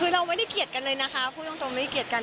คือเราไม่ได้เกลียดกันเลยนะคะพูดจริง